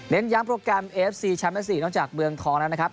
เน้นย้ำโปรแกรมเอฟซีแชมป์เอสซีนอกจากเมืองทองนะครับ